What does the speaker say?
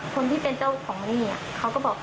คนที่เป็นเจ้าของหนี้เขาก็บอก